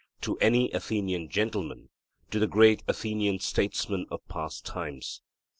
To any Athenian gentleman to the great Athenian statesmen of past times.